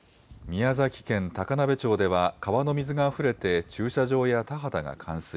宮崎県高鍋町では川の水があふれて駐車場や田畑が冠水。